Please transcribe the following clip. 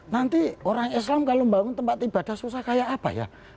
nanti orang islam kalau membangun tempat ibadah susah kayak apa ya